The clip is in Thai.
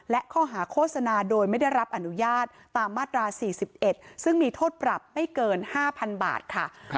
และข้อหาโฆษณาโดยไม่ได้รับอนุญาตตามมาตรา๔๑ซึ่งมีโทษปรับไม่เกิน๕๐๐๐บาทค่ะ